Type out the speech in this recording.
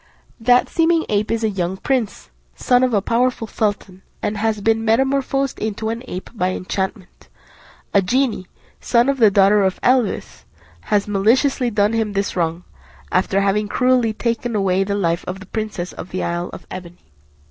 That seeming ape is a young prince, son of a powerful sultan, and has been metamorphosed into an ape by enchantment. A genie, son of the daughter of Eblis, has maliciously done him this wrong, after having cruelly taken away the life of the princess of the isle of Ebene."